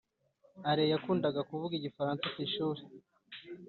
ale yakundaga kuvuga igifaransa ku ishuri